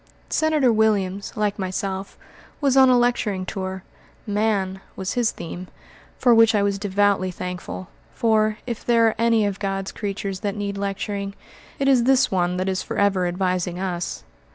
Senator Williams, like myself, was on a lecturing tour. "Man" was his theme, for which I was devoutly thankful; for, if there are any of God's creatures that need lecturing, it is this one that is forever advising us.